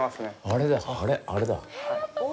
あれだ、あれだ。